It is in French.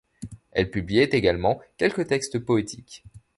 Elle publiait également quelques textes poétiques.